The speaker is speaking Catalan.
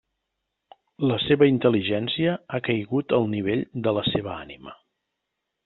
La seva intel·ligència ha caigut al nivell de la seva ànima.